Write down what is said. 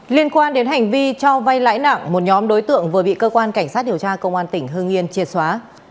liên quan đến hành vi cho vay lãi nặng một nhóm đối tượng vừa bị cơ quan cảnh sát điều tra công an tỉnh hương yên triệt xóa